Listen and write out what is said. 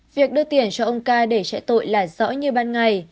việc đưa tiền cho ông cai để trại tội là rõ như ban ngày